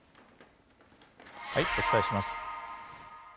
お伝えします。